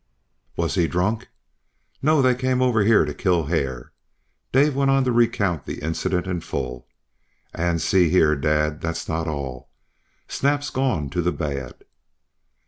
"Was he drunk?" "No. They came over to kill Hare." Dave went on to recount the incident in full. "And and see here, dad that's not all. Snap's gone to the bad."